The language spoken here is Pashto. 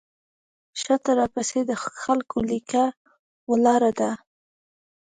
شاته راپسې د خلکو لیکه ولاړه ده.